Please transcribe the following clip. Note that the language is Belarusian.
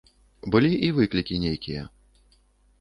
Былі і выклікі нейкія.